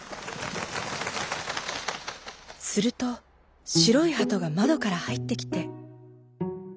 するとしろいハトがまどからはいってきて。